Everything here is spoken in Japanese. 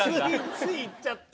つい行っちゃって。